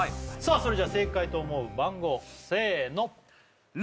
それじゃ正解と思う番号せーの６！